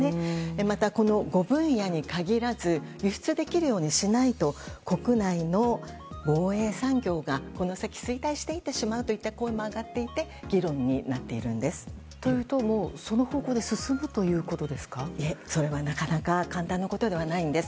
また、この５分野に限らず輸出できるようにしないと国内の防衛産業がこの先、衰退してしまうという声も上がっていてというと、もうその方向でそれも、なかなか簡単なことではないんです。